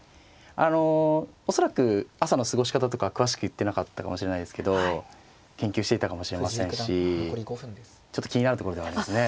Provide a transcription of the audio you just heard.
あの恐らく朝の過ごし方とか詳しく言ってなかったかもしれないですけど研究していたかもしれませんしちょっと気になるところではありますね。